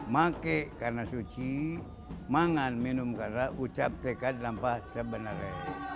maka karena suci maka minum karena ucap teka dan bahasa sebenarnya